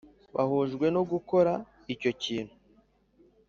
bahujwe no gukora icyo kintu